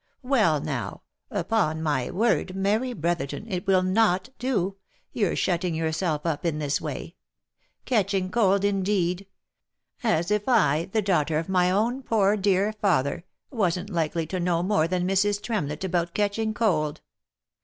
Well now, upon my word, Mary Brotherton, it will not do, your shutting yourself up in this way. Catching cold, indeed ! As if I, the daughter of my own poor dear father, wasn't likely to know more than Mrs. Tremlett about catching cold